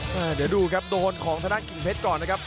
เดี๋ยวดูครับโดนของทางด้านกิ่งเพชรก่อนนะครับ